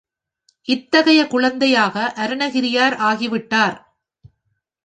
இத்தகைய குழந்தையாக அருணகிரியார் ஆகிவிட்டார்.